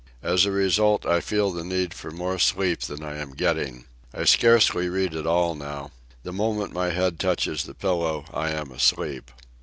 As a result, I feel the need for more sleep than I am getting. I scarcely read at all, now. The moment my head touches the pillow I am asleep.